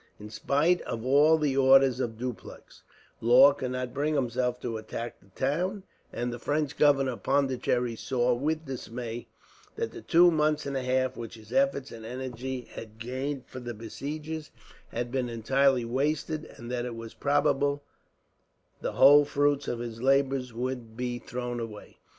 In spite of all the orders of Dupleix, Law could not bring himself to attack the town; and the French governor of Pondicherry saw, with dismay, that the two months and a half, which his efforts and energy had gained for the besiegers, had been entirely wasted; and that it was probable the whole fruits of his labours would be thrown away.